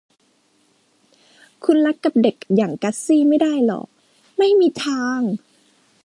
คุณรักกับเด็กอย่างกัสซี่ไม่ได้หรอก ไม่มีทาง